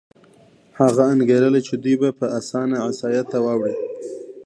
هغه انګېرله چې دوی به په اسانه عیسایت ته واوړي.